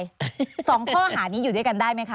สองข้อหานี้อยู่ด้วยกันได้ไหมคะ